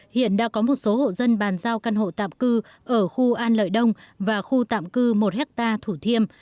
hiện đã có một số hộ dân bàn giao căn hộ tạm cư ở khu an lợi đông và khu tạm cư một hectare thủ thiêm